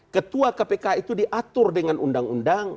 ketua kpk itu diatur dengan undang undang